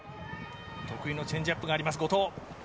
得意のチェンジアップがあります、後藤。